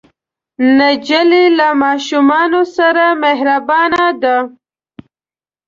نجلۍ له ماشومانو سره مهربانه ده.